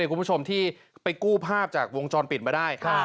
คุณผู้ชมที่ไปกู้ภาพจากวงจรปิดมาได้